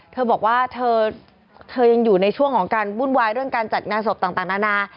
เธอบอกว่าเธอยังอยู่ในช่วงของการวุ่นวายเรื่องการจัดงานศพต่างนานา